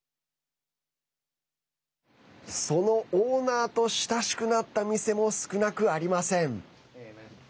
そのオーナーと親しくなった店も少なくありません。